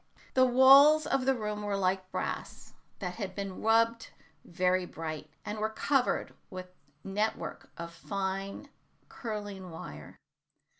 The walls of the room were like brass that has been rubbed very bright, and were covered with net work of fine curling wire.